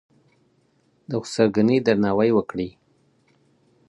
د خسرګنۍ درناوی وکړئ.